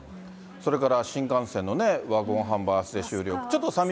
それから新幹線のね、ワゴン販売、あすで終了。